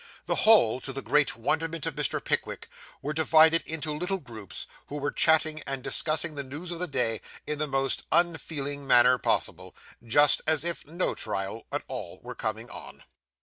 The whole, to the great wonderment of Mr. Pickwick, were divided into little groups, who were chatting and discussing the news of the day in the most unfeeling manner possible just as if no trial at all were coming on.